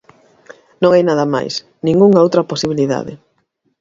Non hai nada máis, ningunha outra posibilidade.